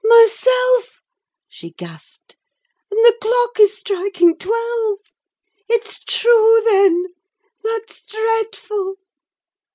"Myself!" she gasped, "and the clock is striking twelve! It's true, then! that's dreadful!"